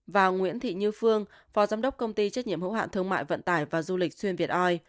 và nguyễn thị như phương phó giám đốc công ty trách nhiệm hữu hạn thương mại vận tải và du lịch xuyên việt oi